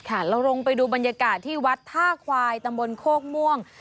เราลงไปดูบรรยากาศที่วัดท่าควายตำบลโคกม่วง